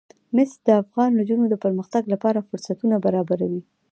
مس د افغان نجونو د پرمختګ لپاره فرصتونه برابروي.